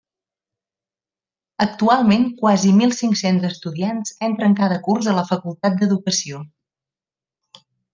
Actualment quasi mil cinc-cents estudiants entren cada curs a la Facultat d’Educació.